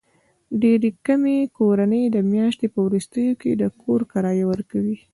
ډېرې کمې کورنۍ د میاشتې په وروستیو کې د کور کرایه ورکوي.